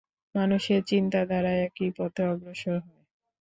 মানুষের চিন্তাধারা একই পথে অগ্রসর হয়।